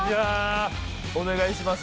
お願いします。